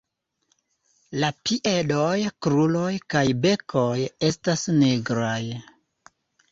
La piedoj, kruroj kaj bekoj estas nigraj.